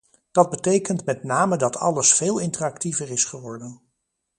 Dat betekent met name dat alles veel interactiever is geworden.